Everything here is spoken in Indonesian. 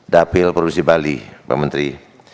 dapil provinsi bali pak menteri